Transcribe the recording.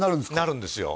なるんですよ